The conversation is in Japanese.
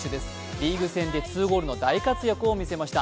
リーグ戦で２ゴールの大活躍をみせました。